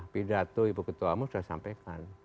pidato ibu ketua umum sudah sampaikan